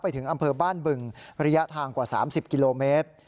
ถึงอำเภอบ้านบึงระยะทางกว่า๓๐กิโลเมตร